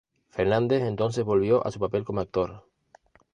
Fernández entonces volvió a su papel como actor.